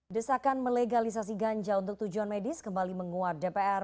desakan melegalisasi ganja untuk tujuan medis kembali menguat dpr